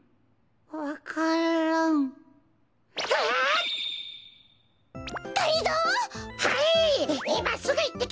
はい！